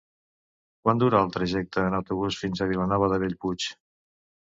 Quant dura el trajecte en autobús fins a Vilanova de Bellpuig?